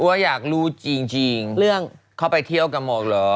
ก็อยากรู้จริงเข้าไปเที่ยวกับโมกเหรอ